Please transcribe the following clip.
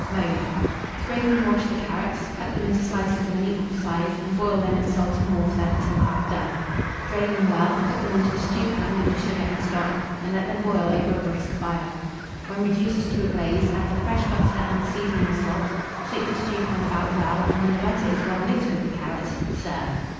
Mode. Scrape and wash the carrots, cut them into slices of an equal size, and boil them in salt and water, until half done; drain them well, put them into a stewpan with the sugar and stock, and let them boil over a brisk fire. When reduced to a glaze, add the fresh butter and a seasoning of salt; shake the stewpan about well, and when the butter is well mixed with the carrots, serve.